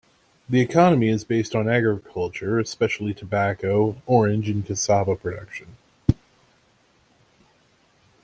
The economy is based on agriculture, especially tobacco, orange and cassava production.